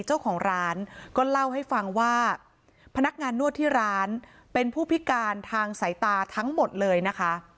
เจ้าของร้านก็เล่าให้ฟังว่าพนักงานนวดที่ร้านเป็นผู้พิการทางสายตาทั้งหมดเลยนะคะ